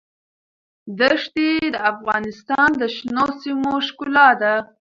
دښتې د افغانستان د شنو سیمو ښکلا ده.